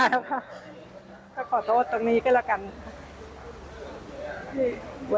แล้วก็ขอโทษตรงนี้ก็แล้วกัน